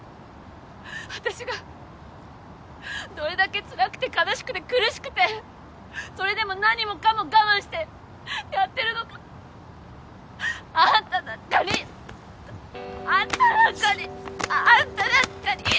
私がどれだけつらくて悲しくて苦しくてそれでも何もかも我慢してやってるのかあんたなんかにあんたなんかにあんたなんかに！